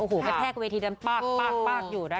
โอ้โหแพร่แพร่กเวทีนั้นปากอยู่นะคะ